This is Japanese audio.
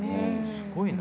すごいな。